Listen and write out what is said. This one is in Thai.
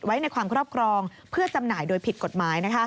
ไว้ในความครอบครองเพื่อจำหน่ายโดยผิดกฎหมาย